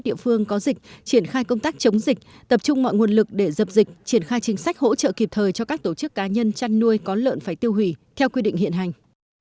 được để dập dịch triển khai chính sách hỗ trợ kịp thời cho các tổ chức cá nhân chăn nuôi có lợn phải tiêu hủy theo quy định hiện hành